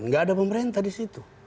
nggak ada pemerintah di situ